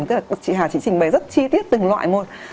tức là chị hà chỉ trình bày rất chi tiết từng loại thôi